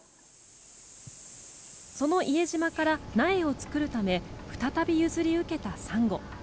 その伊江島から、苗を作るため再び譲り受けたサンゴ。